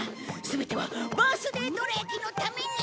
全てはバースデーどら焼きのために！